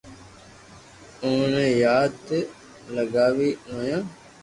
اوئي پار لاگاوئي نويا